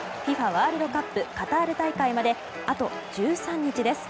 ワールドカップカタール大会まであと１３日です。